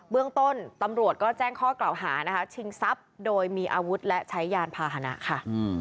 เรื่องต้นตำรวจก็แจ้งข้อกล่าวหานะคะชิงทรัพย์โดยมีอาวุธและใช้ยานพาหนะค่ะ